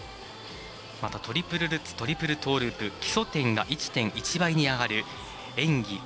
トリプルルッツトリプルトーループ基礎点が１．１倍に上がる演技